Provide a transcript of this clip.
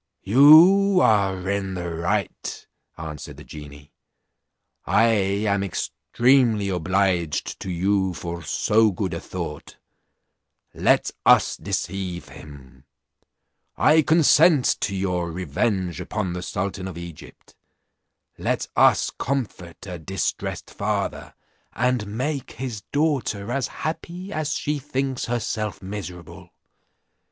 "You are in the right," answered the genie; "I am extremely obliged to you for so good a thought; let us deceive him. I consent to your revenge upon the sultan of Egypt; let us comfort a distressed father, and make his daughter as happy as she thinks herself miserable.